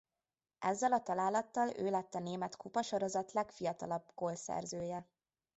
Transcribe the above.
Ezzel a találattal ő lett a német kupasorozat legfiatalabb gólszerzője.